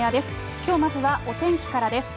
きょうまずはお天気からです。